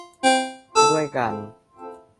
ด้วยกัน